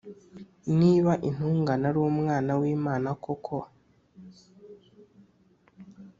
Niba intungane ari umwana w’Imana koko,